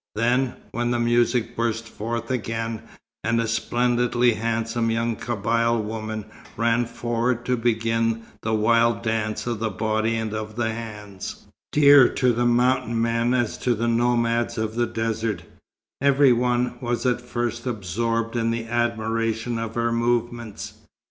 Then, when the music burst forth again, and a splendidly handsome young Kabyle woman ran forward to begin the wild dance of the body and of the hands dear to the mountain men as to the nomads of the desert every one was at first absorbed in admiration of her movements.